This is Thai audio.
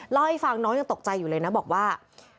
เล่าให้ฟังน้องยังตกใจอยู่เลยนะบอกว่า